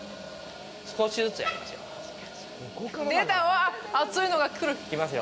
少しずつやりますよ。